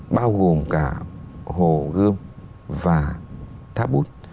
bao gồm cả hồ gươm và tháp bút